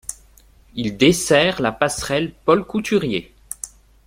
Il dessert la passerelle Paul-Couturier.